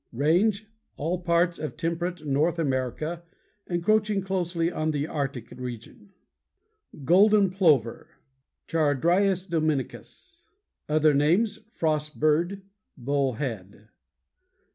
_ RANGE All parts of temperate North America, encroaching closely on the Arctic region. Page 178. =GOLDEN PLOVER= Charadrius dominicus. Other names: Frost Bird, Bull Head.